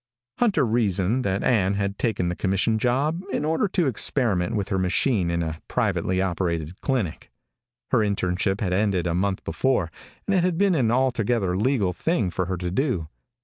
Hunter reasoned that Ann had taken the commission job in order to experiment with her machine in a privately operated clinic. Her internship had ended a month before, and it had been an altogether legal thing for her to do.